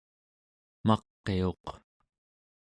maqiuq